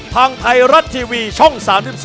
ทางไทยรัฐทีวีช่อง๓๒